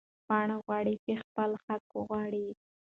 پاڼه غواړې چې خپل حق وغواړي.